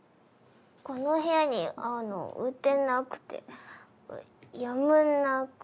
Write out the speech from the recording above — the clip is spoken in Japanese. この部屋に合うの売ってなくてやむなく。